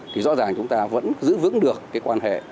thì rõ ràng chúng ta vẫn giữ vững được cái quan hệ